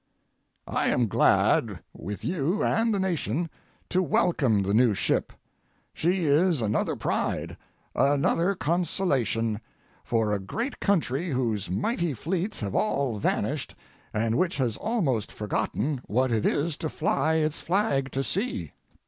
I am glad, with you and the nation, to welcome the new ship. She is another pride, another consolation, for a great country whose mighty fleets have all vanished, and which has almost forgotten what it is to fly its flag to sea.